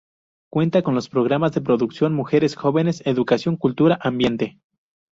Cuenta con los programas de Producción, Mujeres, Jóvenes, Educación, Cultura, Ambiente.